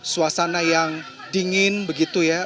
suasana yang dingin begitu ya